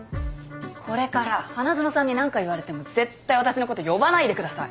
これから花園さんに何か言われても絶対私のこと呼ばないでください。